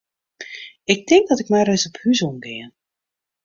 Ik tink dat ik mar ris op hús oan gean.